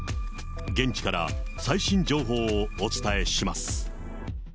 現地から最新情報をお伝えします。